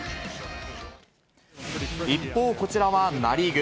一方、こちらはナ・リーグ。